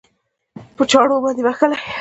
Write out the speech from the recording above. په چاړو باندې وهلى؟